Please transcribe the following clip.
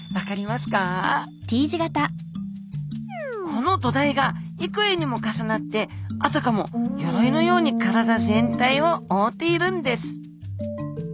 この土台がいくえにも重なってあたかも鎧のように体全体を覆っているんです